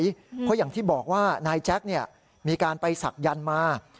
เพราะอย่างที่บอกว่านายแจ๊คมีการไปศักดิ์มา